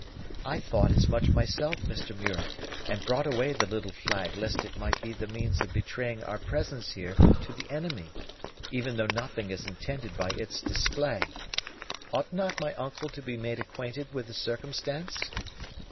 "I thought as much myself, Mr. Muir, and brought away the little flag lest it might be the means of betraying our presence here to the enemy, even though nothing is intended by its display. Ought not my uncle to be made acquainted with the circumstance?"